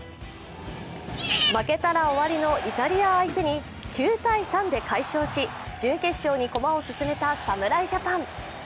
負けたら終わりのイタリア相手に９−３で快勝し、準決勝に駒を進めた侍ジャパン。